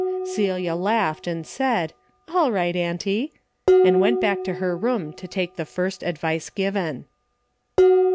Celia laughed and said, " All right, auntie," and went back to her room to take the first advice given.